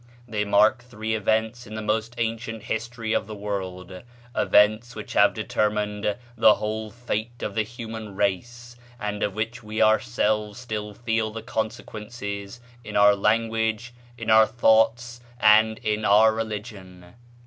They mark three events in the most ancient history of the world, events which have determined the whole fate of the human race, and of which we ourselves still feel the consequences in our language, in our thoughts, and in our religion."